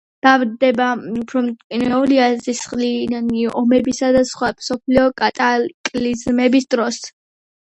დაბადება უფრო მტკივნეულია სისხლიანი ომებისა და სხვა მსოფლიო კატაკლიზმების დროს.